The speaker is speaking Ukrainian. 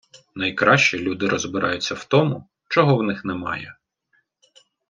Найкраще люди розбираються в тому, чого в них немає.